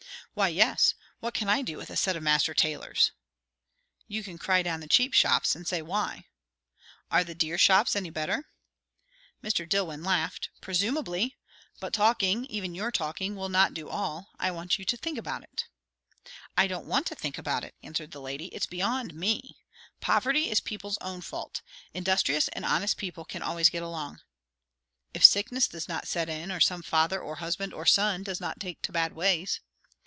"Why yes. What can I do with a set of master tailors?" "You can cry down the cheap shops; and say why." "Are the dear shops any better?" Mr. Dillwyn laughed. "Presumably! But talking even your talking will not do all. I want you to think about it." "I don't want to think about it," answered the lady. "It's beyond me. Poverty is people's own fault. Industrious and honest people can always get along." "If sickness does not set in, or some father, or husband, or son does not take to bad ways."